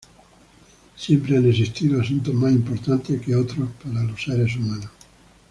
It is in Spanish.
Siempre han existido asuntos más importantes que otros para los seres humanos.